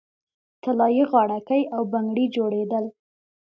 طلايي غاړکۍ او بنګړي جوړیدل